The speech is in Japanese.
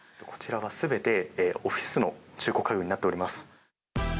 こちらはすべてオフィスの中古家具になっております。